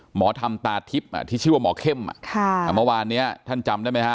หมอธรรมตาทิพย์ที่ชื่อว่าหมอเข้มเมื่อวานเนี้ยท่านจำได้ไหมฮะ